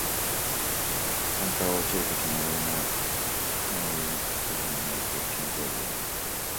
勘太郎が落ちるときに、おれの袷の片袖がもげて、急に手が自由になつた。